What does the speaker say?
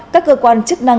các cơ quan chức năng